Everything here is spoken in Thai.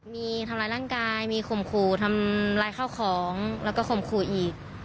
มีทำร้ายร่างกายมีข่มขู่ทำร้ายข้าวของแล้วก็ข่มขู่อีก